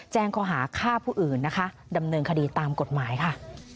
ข้อหาฆ่าผู้อื่นนะคะดำเนินคดีตามกฎหมายค่ะ